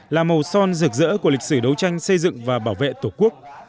là màu son rực rỡ của lịch sử đấu tranh xây dựng và bảo vệ tổ quốc